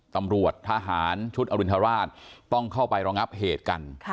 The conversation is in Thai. ตำรวจทหารชุดอรินทราชต้องเข้าไปรองับเหตุกัน